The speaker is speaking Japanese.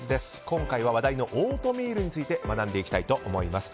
今回は話題のオートミールについて学んでいきたいと思います。